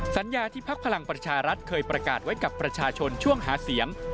สัญญาที่พักพลังประชารัฐเคยประกาศไว้กับประชาชนช่วงหาเสียง